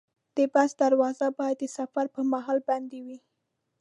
د بس دروازې باید د سفر پر مهال بندې وي.